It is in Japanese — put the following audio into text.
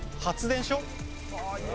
発電所？